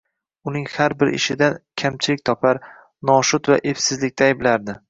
Uning har bir ishidan kamchilik topar, noshud va epsizlikda ayblardi